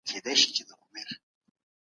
که موږ تاريخ ولولو نو په حقايقو به پوه سو.